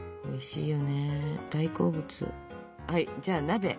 じゃあ鍋。